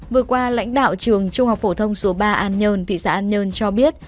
vừa qua lãnh đạo trường trung học phổ thông số ba an nhơn thị xã an nhơn cho biết